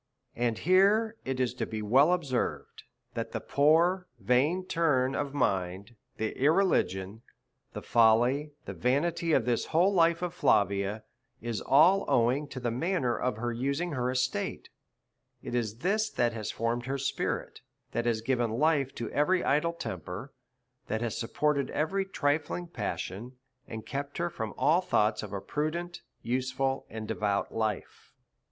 And here it is well to be observed, that the poor vain turn of mind, the irreligion, the folly and vanity of this whole life of Flavia, is all owing to the manner of using her estate ; it is this that has formed her spi rit, that has given life to every idle temper, that has supported every trifling passion, and kept her from all thoughts of a prudent, useful, and devout life.